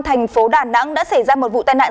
thành phố đà nẵng đã xảy ra một vụ tai nạn